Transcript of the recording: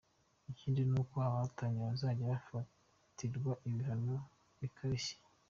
Ikindi ni uko abatannye bazajya bafatirwa ibihano bikarishye.